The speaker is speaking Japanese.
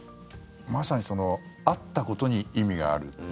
まさに会ったことに意味がある。